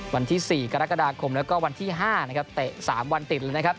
วันที่สี่กรกฎาคมและวันที่ห้าเตะสามวันติดเลยนะครับ